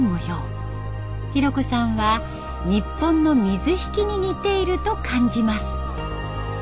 ヒロコさんは日本の水引に似ていると感じます。